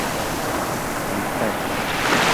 I Cap.